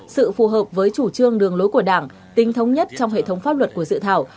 sự phù hợp với chủ trương đường lối của đảng tính thống nhất trong hệ thống pháp luật của dự thảo